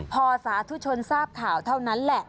พอสาธุชนทราบข่าวเท่านั้นแหละ